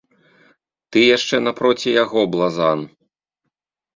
Ты яшчэ напроці яго блазан!